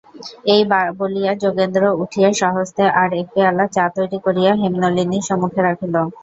এই বলিয়া যোগেন্দ্র উঠিয়া স্বহস্তে আর-এক পেয়ালা চা তৈরি করিয়া হেমনলিনীর সম্মুখে রাখিল।